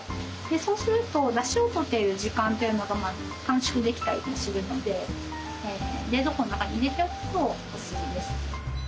そうするとだしを取っている時間というのが短縮できたりするので冷蔵庫の中に入れておくとおすすめです。